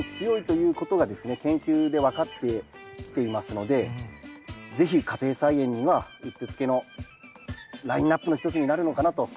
研究で分かってきていますので是非家庭菜園にはうってつけのラインナップの一つになるのかなと思っています。